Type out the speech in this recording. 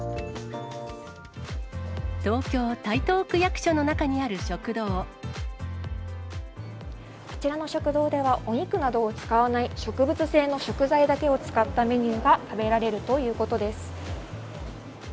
東京・台東区役所の中にあるこちらの食堂では、お肉などを使わない植物性の食材だけを使ったメニューが食べられるということです。